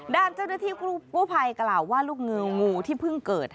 ด้านเจ้าหน้าที่กู้ภัยกล่าวว่าลูกงูงูที่เพิ่งเกิด